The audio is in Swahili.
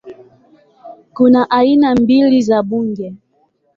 Kuna aina mbili za bunge